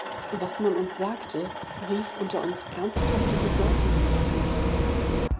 Was man uns sagte, rief unter uns ernsthafte Besorgnis hervor.